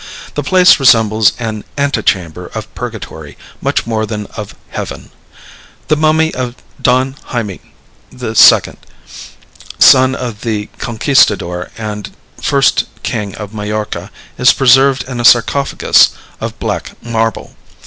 The place resembles an antechamber of Purgatory much more than of Heaven. The mummy of Don Jaime II., son of the Conquistador and first king of Majorca, is preserved in a sarcophagus of black marble.